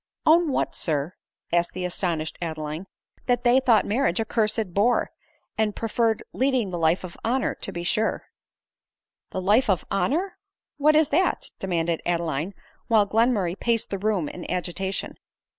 " Own what, Sir ?" asked the astonished Adeline. " That they thought marriage a cursed bore, and pre ferred leading the life of honor, to be sure." " The life of honor ! What is that ?" demanded Ade line, while Glenmurray paced the room in agitation.